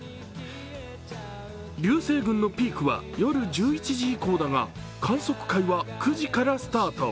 流星群のピークは夜１１時以降だが観測会は９時からスタート。